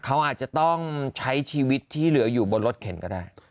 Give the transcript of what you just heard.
เขาอาจจะต้องใช้ชีวิตที่เหลืออยู่บนรถเข็นก็ได้